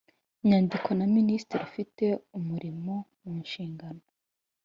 nyandiko na Minisitiri ufite umurimo mu nshingano